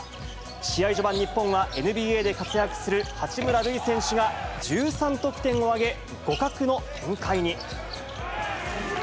試合序盤、日本はＮＢＡで活躍する八村塁選手が１３得点を挙げ、互角の展開に。